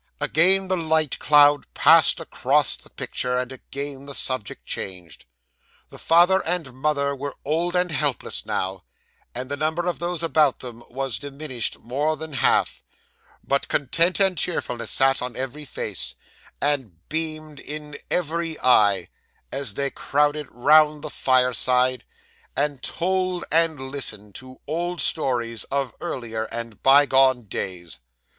'Again the light cloud passed across the picture, and again the subject changed. The father and mother were old and helpless now, and the number of those about them was diminished more than half; but content and cheerfulness sat on every face, and beamed in every eye, as they crowded round the fireside, and told and listened to old stories of earlier and bygone days.